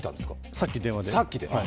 さっき電話で。